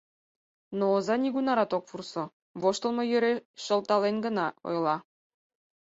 Но оза нигунарат ок вурсо, воштылмо йӧре шылтален гына ойла.